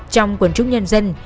trong quần trung nhân dân